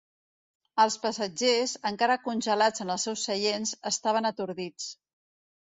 Els passatgers, encara congelats en els seus seients, estan atordits.